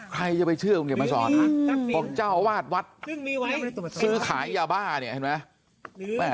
ใครจะไปเชื่อของเกียรติศาสตร์ครับของเจ้าอาวาสวัตรซื้อขายยาบ้านี่เห็นไหม